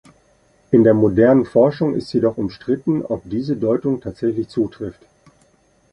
In der modernen Forschung ist jedoch umstritten, ob diese Deutung tatsächlich zutrifft.